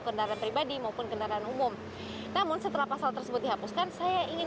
kendaraan pribadi maupun kendaraan umum namun setelah pasal tersebut dihapuskan saya ingin